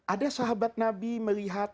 ada sahabat nabi melihat